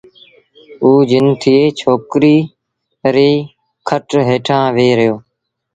اُ جن ٿئي ڇوڪريٚ ريٚ کٽ هيٺآݩ ويه رهيو